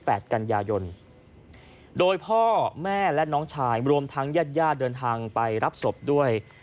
กันยายนโดยพ่อแม่และน้องชายรวมทั้งญาติญาติเดินทางไปรับศพด้วย